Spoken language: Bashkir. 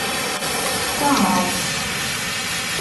Тымау